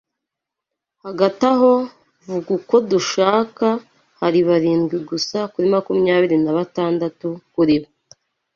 hagati aho, vuga uko dushaka, hari barindwi gusa kuri makumyabiri na batandatu kuri bo